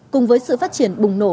cùng với sự phát triển bùng nổ